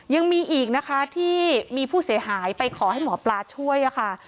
ยังมีอีกนะคะที่มีผู้เสียหายไปขอให้หมอปลาช่วยค่ะ